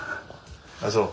あっそう。